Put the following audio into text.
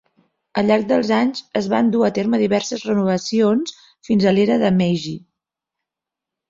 Al llarg dels anys es van dur a terme diverses renovacions fins a l'era Meiji.